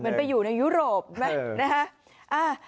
เหมือนไปอยู่ในยุโรปนะฮะ